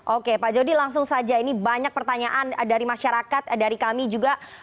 oke pak jody langsung saja ini banyak pertanyaan dari masyarakat dari kami juga